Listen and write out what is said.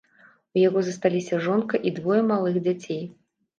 У яго засталіся жонка і двое малых дзяцей.